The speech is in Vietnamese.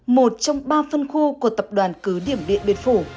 một trong ba phân khu của tập đoàn cứ điểm địa biệt phủ